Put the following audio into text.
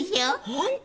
本当！